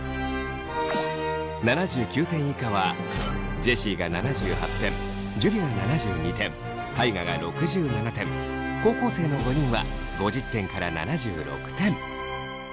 ７９点以下はジェシーが７８点樹が７２点大我が６７点高校生の５人は５０点から７６点。